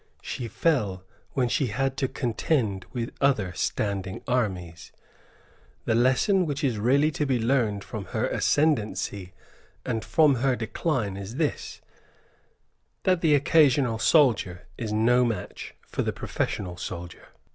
She fell when she had to contend with other standing armies. The lesson which is really to be learned from her ascendency and from her decline is this, that the occasional soldier is no match for the professional soldier.